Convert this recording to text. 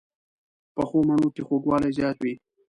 پخو مڼو کې خوږوالی زیات وي